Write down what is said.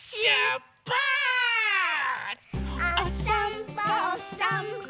おさんぽおさんぽ。